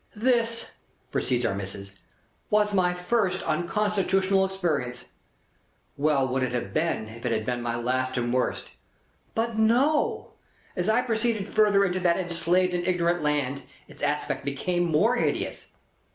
"This," proceeds Our Missis, "was my first unconstitutional experience. Well would it have been, if it had been my last and worst. But no. As I proceeded further into that enslaved and ignorant land, its aspect became more hideous.